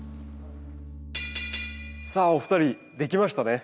さあお二人できましたね？